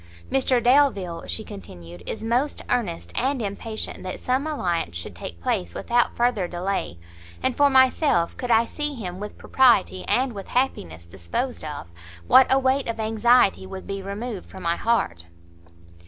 "Mr Delvile," she continued, "is most earnest and impatient that some alliance should take place without further delay; and for myself, could I see him with propriety and with happiness disposed of, what a weight of anxiety would be removed from my heart!"